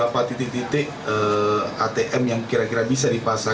lalu yang ketiga adalah kelompok yang diambil uang